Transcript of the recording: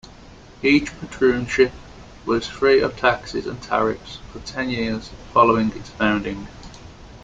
Each patroonship was free of taxes and tariffs for ten years following its founding.